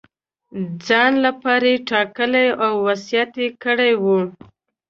ځان لپاره ټاکلی او وصیت یې کړی وو.